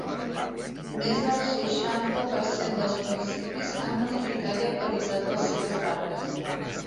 Més del seixanta per cent dels municipis han modificat i actualitzat les seves dades.